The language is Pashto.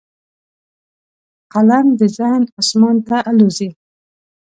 قلم د ذهن اسمان ته الوزي